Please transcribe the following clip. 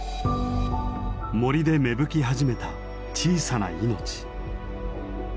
森で芽吹き始めた小さな命。